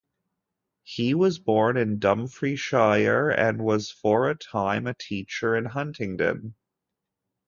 He was born in Dumfriesshire and was for a time a teacher in Huntingdon.